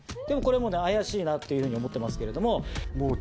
でもこれも怪しいなって思ってますけれども。